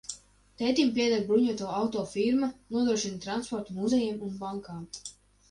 Tētim pieder bruņoto auto firma, nodrošina transportu muzejiem un bankām.